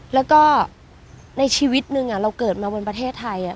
แล้วก็ในชีวิตหนึ่งเราเกิดมาบนประเทศไทย